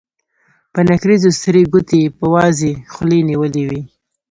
په نکريزو سرې ګوتې يې په وازې خولې نيولې وې.